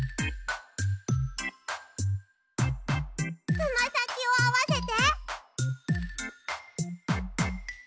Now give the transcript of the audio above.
つまさきをあわせて！